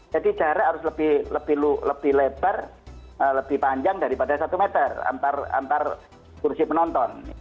jadi jarak harus lebih lebar lebih panjang daripada satu meter antar kursi penonton